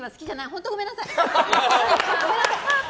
本当にごめんなさい。